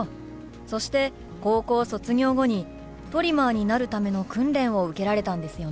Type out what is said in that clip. そして高校卒業後にトリマーになるための訓練を受けられたんですよね？